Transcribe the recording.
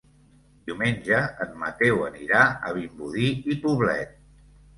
Diumenge en Mateu anirà a Vimbodí i Poblet.